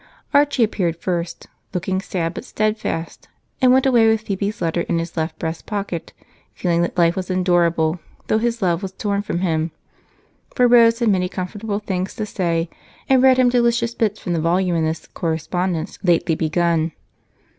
Archie appeared first, looking sad but steadfast, and went away with Phebe's letter in his left breast pocket feeling that life was still endurable, though his love was torn from him, for Rose had many comfortable things to say and read him delicious bits from the voluminous correspondence lately begun.